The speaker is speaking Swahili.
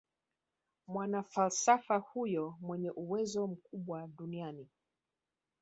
mwanafalsafa huyo mwenye uwezo mkubwa duniani